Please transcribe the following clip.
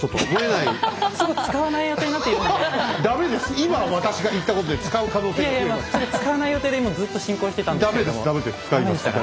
いやいや使わない予定でもうずっと進行してたんですけども。